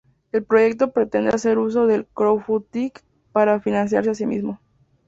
El proyecto pretende hacer uso de crowdfunding para financiarse a sí mismo.